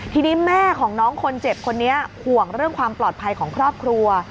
ทีนี้แม่ของน้องคนเจ็บคนนี้ห่วงเรื่องความปลอดภัยของครอบครัว